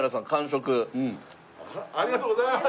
ありがとうございます！